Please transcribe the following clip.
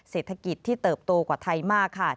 เศรษฐกิจที่เติบโตกว่าไทยมากค่ะ